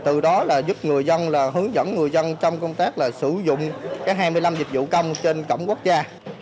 từ đó giúp người dân hướng dẫn người dân trong công tác sử dụng hai mươi năm dịch vụ công trên cổng quốc gia